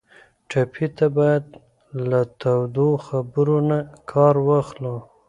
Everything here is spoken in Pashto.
ټپي ته باید له تودو خبرو نه کار واخلو.